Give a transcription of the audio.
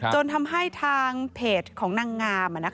จนทำให้ทางเพจของนางงาม